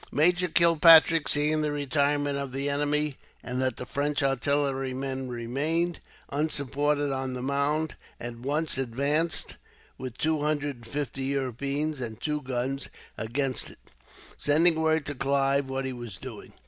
Major Kilpatrick, seeing the retirement of the enemy; and that the French artillerymen remained, unsupported, on the mound; at once advanced, with two hundred and fifty Europeans, and two guns, against it; sending word to Clive what he was doing.